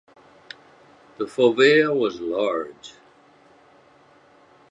The fovea was large.